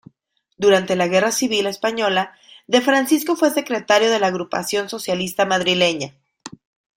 Durante la Guerra Civil Española, De Francisco fue secretario de la Agrupación Socialista Madrileña.